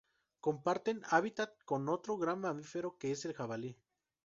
Comparten hábitat con otro gran mamífero que es el jabalí.